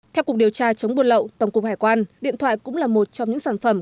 theo cục điều tra chống buôn lậu tổng cục hải quan điện thoại cũng là một trong những sản phẩm